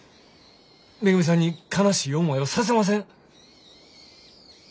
めぐみさんに悲しい思いはさせません。